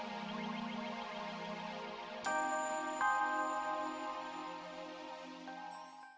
jangan macem macem ya